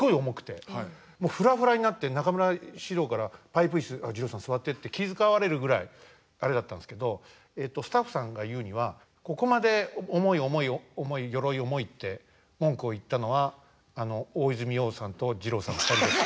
ふらふらになって中村獅童から「パイプ椅子二朗さん座って」って気遣われるぐらいあれだったんですけどスタッフさんが言うにはここまで「重い重い重い鎧重い」って文句を言ったのは大泉洋さんと二朗さんの２人です。